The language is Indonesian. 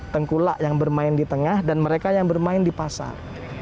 tengkulak yang bermain di tengah dan mereka yang bermain di pasar